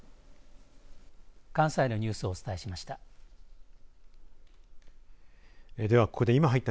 関西のニュースをお伝えしました。